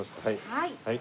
はい。